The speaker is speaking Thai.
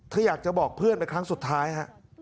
อยากจะบอกเพื่อนเป็นครั้งสุดท้ายฮะ